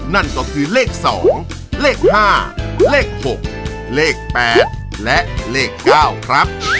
นั่นก็คือเลข๒เลข๕เลข๖เลข๘และเลข๙ครับ